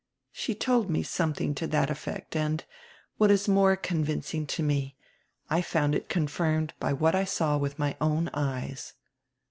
She told me something to that effect and, what is more con vincing to me, I found it confirmed by what I saw with my own eyes."